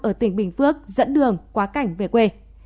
ở tỉnh bình phước dẫn đường quá cảnh về quê